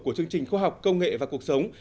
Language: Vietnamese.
của chương trình khoa học công nghệ và cuộc sống